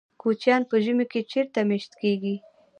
کوچیان په ژمي کې چیرته میشت کیږي؟